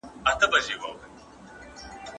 مکناتن د جګړې په پایلو خپه شو.